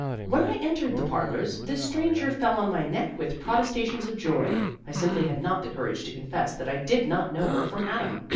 When I entered the parlors, this stranger fell on my neck with protestations of joy. I simply had not the courage to confess that I did not know her from Adam.